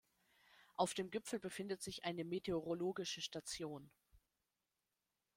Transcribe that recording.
Auf dem Gipfel befindet sich eine meteorologische Station.